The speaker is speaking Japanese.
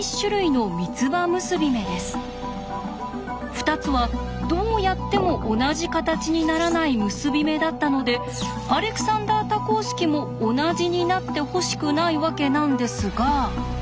２つはどうやっても同じ形にならない結び目だったのでアレクサンダー多項式も同じになってほしくないわけなんですが。